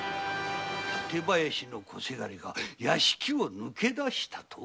館林の小せがれが屋敷を抜け出したと？